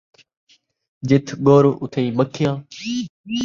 جتھ ڳڑ ، اتھائیں مکھیاں